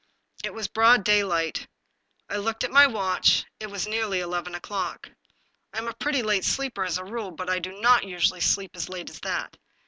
It was broad daylight. I looked at my watch; it was nearly eleven o'clock. I am a pretty late sleeper as a rule, but I do not usually sleep as late as that.